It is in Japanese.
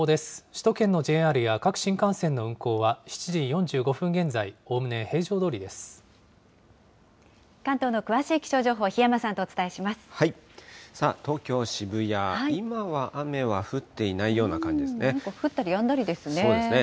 首都圏のＪＲや各新幹線の運行は７時４５分現在、おおむね平常ど関東の詳しい気象情報、檜山東京・渋谷、今は雨は降っていないような感じですね。